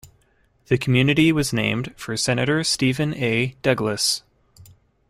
The community was named for Senator Stephen A. Douglas.